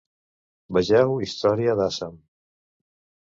Vegeu Història d'Assam.